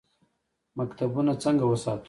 مکتبونه څنګه وساتو؟